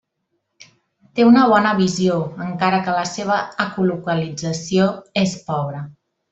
Té una bona visió, encara que la seva ecolocalització és pobre.